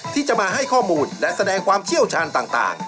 ที่จะมาให้ข้อมูลและแสดงความเชี่ยวชาญต่าง